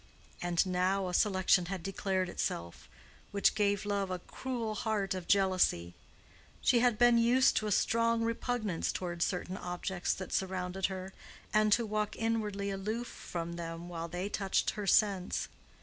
And now a selection had declared itself, which gave love a cruel heart of jealousy: she had been used to a strong repugnance toward certain objects that surrounded her, and to walk inwardly aloof from them while they touched her sense.